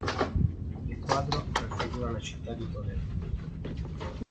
Il quadro raffigura la città di Toledo.